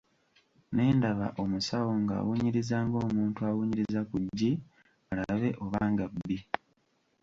Ne ndaba omusawo ng'awunyiriza ng'omuntu awunyiriza ku ggi alabe nga bbi.